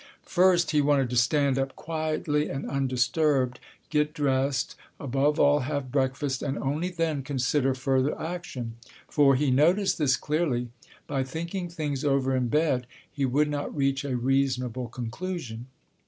First he wanted to stand up quietly and undisturbed, get dressed, above all have breakfast, and only then consider further action, for—he noticed this clearly—by thinking things over in bed he would not reach a reasonable conclusion.